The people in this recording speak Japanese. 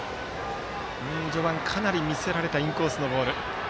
序盤、かなり見せられたインコースのボール。